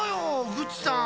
グッチさん。